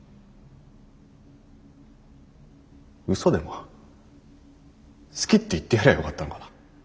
うそでも好きって言ってやりゃあよかったのかな。